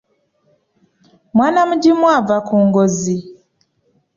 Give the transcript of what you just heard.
Mwana mugimu ava ku ngozi.